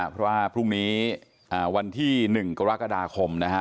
เพราะว่าพรุ่งนี้วันที่๑กรกฎาคมนะฮะ